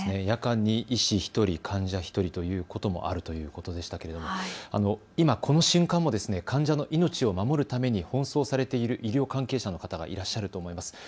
夜間に医師１人、患者１人ということもあるということでしたけれども今この瞬間も患者の命を守るために奔走されている医療関係者の方がいらっしゃると思います。